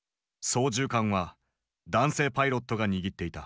操縦桿は男性パイロットが握っていた。